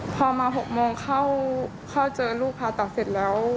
พอมา๖โมงเข้าเจอลูกผ่าตัดเสร็จแล้ว